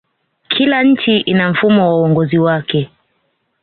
kila nchi ina mfumo wa uongozi wake